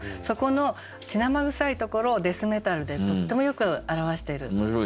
そこの血生臭いところを「デスメタル」でとってもよく表している。